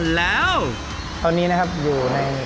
ช่วยฝังดินหรือกว่า